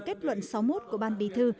kết luận sáu mươi một của ban bí thư